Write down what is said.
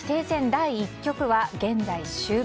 第１局は現在、終盤。